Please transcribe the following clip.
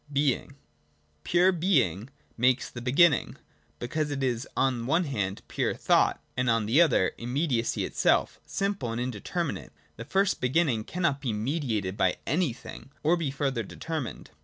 (a) Being. 86.] Pure Being makes the beginning : because it is on one hand pure thought, and on the other immediacy itself, simple and indeterminate ; and the first beginning cannot be mediated by anything, or be further deter mined.